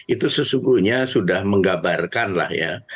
itu sesungguhnya sudah menggabarkan lah ya